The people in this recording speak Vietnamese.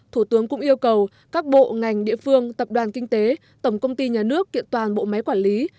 thủ tướng cũng yêu cầu các bộ ngành địa phương tập đoàn kinh tế tổng công ty nhà nước kiện toàn bộ máy quản lý